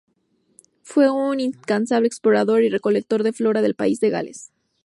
Fu un incansable explorador y recolector de flora del País de Gales.